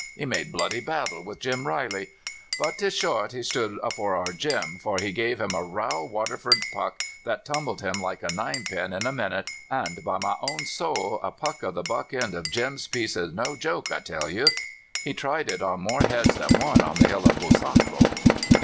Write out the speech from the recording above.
He made bloody battle with Jim Reilly; but 'tis short he stood afore our Jim, for he gave him a raal Waterford puck that tumbled him like a ninepin in a minute; and, by my own sowl, a puck of the butt end of Jim's piece is no joke, I tell you! He tried it on more heads than one on the hill of Busaco.